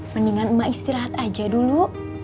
mendingan emak istirahat aja dulu